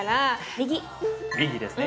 右ですね。